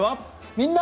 「みんな！